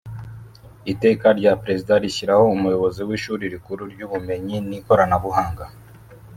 Iteka rya Perezida rishyiraho Umuyobozi w Ishuri rikuru ry Ubumenyi n Ikoranabuhanga